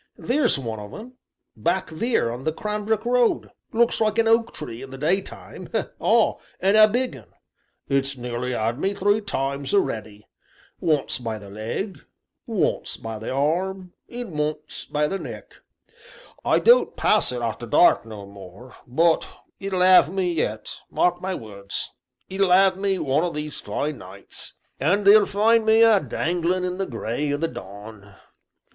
Theer's one on 'em, back theer on the Cranbrook road, looks like an oak tree in the daytime ah, an' a big 'un it's nearly 'ad me three times a'ready once by the leg, once by the arm, and once by the neck. I don't pass it arter dark no more, but it'll 'ave me yet mark my words it'll 'ave me one o' these fine nights; and they'll find me a danglin' in the gray o' the dawn!"